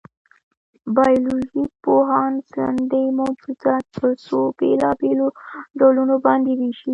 بایولوژيپوهان ژوندي موجودات په څو بېلابېلو ډولونو باندې وېشي.